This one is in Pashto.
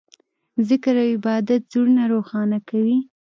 ذکر او عبادت زړونه روښانه کوي.